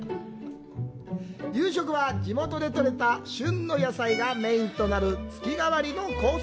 夕食は、地元でとれた旬の野菜がメインになる月替わりのコース